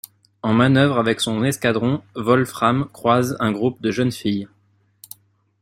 En manœuvre avec son escadron, Wolfram croise un groupe de jeunes filles.